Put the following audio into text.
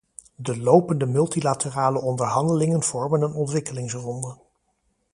De lopende multilaterale onderhandelingen vormen een ontwikkelingsronde.